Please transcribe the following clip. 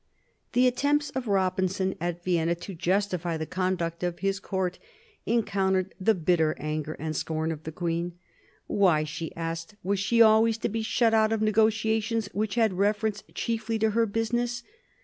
1745 48 WAR OF SUCCESSION 59 The attempts of Kobinson at Berlin to justify the conduct of his court encountered the bitter anger and scorn of the queen. " Why," she asked, " was she always to be shut out of negotiations which had reference chiefly to her business